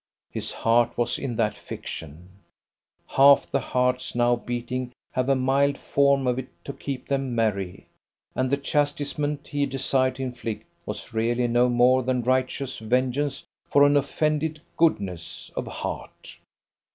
His heart was in that fiction: half the hearts now beating have a mild form of it to keep them merry: and the chastisement he desired to inflict was really no more than righteous vengeance for an offended goodness of heart.